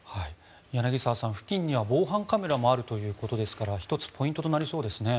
柳澤さん付近には防犯カメラもあるということですから１つポイントとなりそうですね。